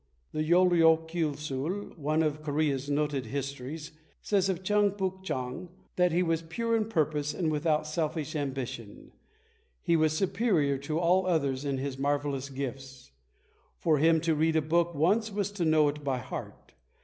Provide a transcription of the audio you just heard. The Yol ryok Keui sul, one of Korea's noted histories, says of Cheung Puk chang that he was pure in purpose and without selfish ambition. He was superior to all others in his marvellous gifts. For him to read a book once was to know it by heart.